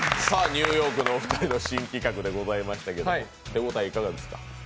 ニューヨークのお二人の新企画でございましたが、手応えいかがでしたか。